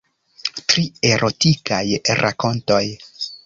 Tri erotikaj rakontoj.